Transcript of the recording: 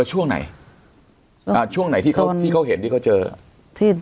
ช่วงไหนอ่าช่วงไหนที่เขาที่เขาเห็นที่เขาเจอที่